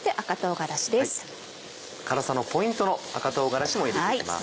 辛さのポイントの赤唐辛子も入れて行きます。